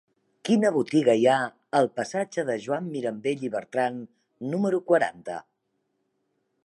Quina botiga hi ha al passatge de Joan Mirambell i Bertran número quaranta?